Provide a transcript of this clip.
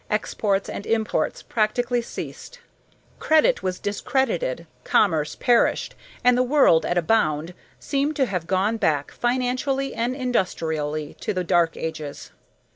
Exports and imports practically ceased. Credit was discredited, commerce perished, and the world, at a bound, seemed to have gone back, financially and industrially, to the dark ages.